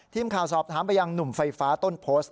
ทีมข่าวสอบถามไปยังหนุ่มไฟฟ้าต้นโพสต์